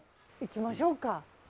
行きましょうか。